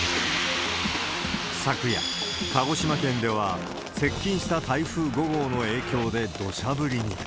昨夜、鹿児島県では、接近した台風５号の影響でどしゃ降りに。